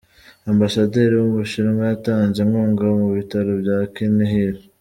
Ambasaderi w’Ubushinwa yatanze inkunga mu bitaro bya Kinihira.